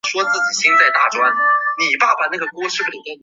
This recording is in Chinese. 之后被上级魔族率领不死者军团灭国。